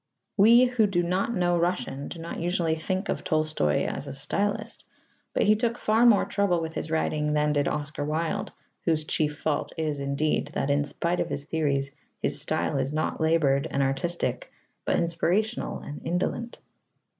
We who do not know Russian do not usually think of Tolstoy as a stylist, but he took far more trouble with his writing than did Oscar Wilde (whose chief fault is, indeed, that in spite of his theories his style is not laboured and artistic but inspirational and indolent).